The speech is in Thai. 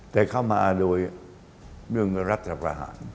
แต่เข้ามาโดยเรื่องรัฐประหาร